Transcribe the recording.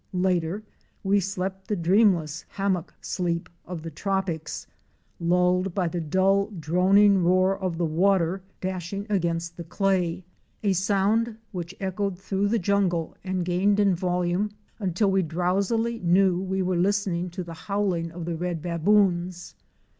Later we slept the dreamless hammock sleep of the tropics, lulled by the dull droning roar of the water dashing against 170 OUR SEARCH FOR A WILDERNESS. the clay —a sound which echoed through the jungle and gained in volume until we drowsily knew we were listening to the howling of the red baboons.